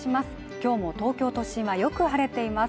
今日も東京都心はよく晴れています